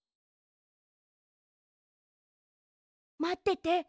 まってて。